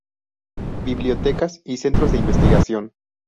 Bibliotecas y centros de investigación